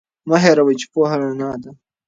مه هیروئ چې پوهه رڼا ده.